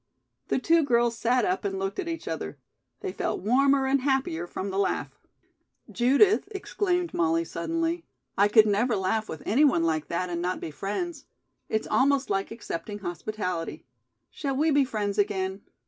The two girls sat up and looked at each other. They felt warmer and happier from the laugh. "Judith," exclaimed Molly, suddenly, "I could never laugh with any one like that and not be friends. It's almost like accepting hospitality. Shall we be friends again?"